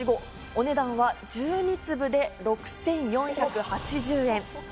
お値段は１２粒で６４８０円。